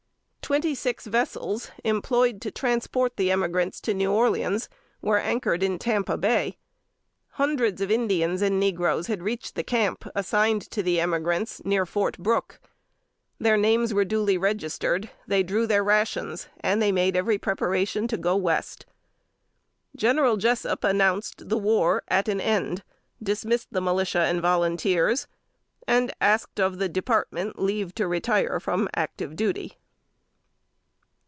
Twenty six vessels, employed to transport the emigrants to New Orleans, were anchored in Tampa Bay. Hundreds of Indians and negroes had reached the camp assigned to the emigrants, near "Fort Brooke." Their names were duly registered; they drew their rations, and made every preparation to go West. General Jessup announced the war at an end, dismissed the militia and volunteers, and asked of the Department leave to retire from active duty.